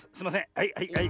はいはいはい。